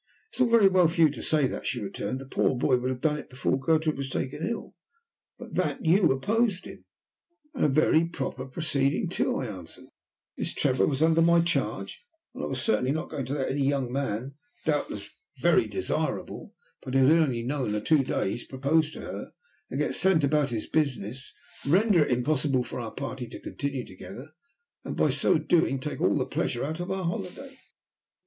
"It's all very well for you to say that," she returned. "The poor boy would have done it before Gertrude was taken ill, but that you opposed him." "And a very proper proceeding too," I answered. "Miss Trevor was under my charge, and I was certainly not going to let any young man, doubtless very desirable, but who had only known her two days, propose to her, get sent about his business, render it impossible for our party to continue together, and by so doing take all the pleasure out of our holiday."